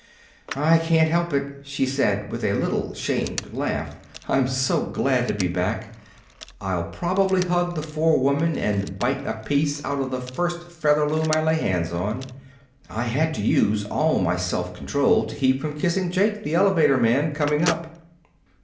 "I can't help it," she said, with a little shamed laugh; "I'm so glad to be back. I'll probably hug the forewoman and bite a piece out of the first Featherloom I lay hands on. I had to use all my self control to keep from kissing Jake, the elevator man, coming up."